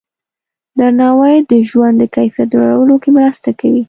درناوی د ژوند د کیفیت لوړولو کې مرسته کوي.